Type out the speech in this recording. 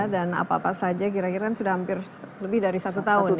dan apa apa saja kira kira sudah hampir lebih dari satu tahun ya